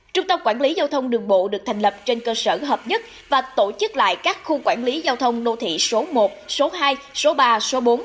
trung tâm quản lý giao thông đường bộ được thành lập trên cơ sở hợp nhất và tổ chức lại các khu quản lý giao thông nô thị số một số hai số ba số bốn